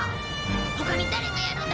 他に誰がやるんだ？